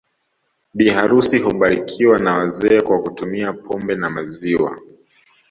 Bi harusi hubarikiwa na wazee kwa kutumia pombe na maziwa